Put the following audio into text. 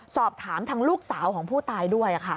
สอบถามทางลูกสาวของผู้ตายด้วย